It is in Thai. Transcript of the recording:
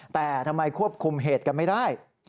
แต่ทำไมควบคุมเหตุกันไม่ได้